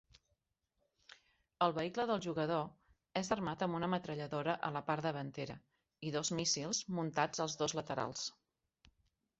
El vehicle del jugador és armat amb una metralladora a la part davantera i dos míssils muntats als dos laterals.